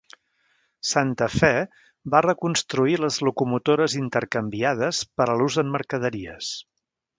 Santa Fe va reconstruir les locomotores intercanviades per a l'ús en mercaderies.